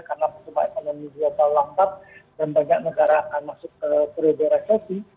karena ekonomi global lambat dan banyak negara masuk ke kredo resepi